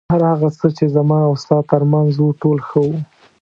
هر هغه څه چې زما او ستا تر منځ و ټول ښه وو.